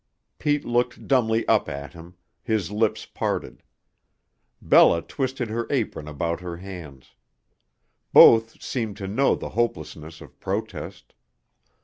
Pete looked dumbly up at him, his lips parted. Bella twisted her apron about her hands. Both seemed to know the hopelessness of protest.